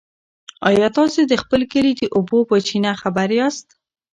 ایا تاسي د خپل کلي د اوبو په چینه خبر یاست؟